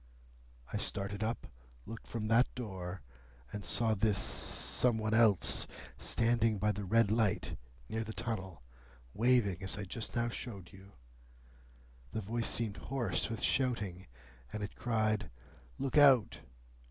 I started up, looked from that door, and saw this Some one else standing by the red light near the tunnel, waving as I just now showed you. The voice seemed hoarse with shouting, and it cried, 'Look out!